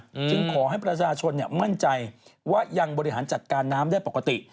จึงขอให้ประชาชนเนี้ยมั่นใจว่ายังบริหารจัดการน้ำได้ปกติ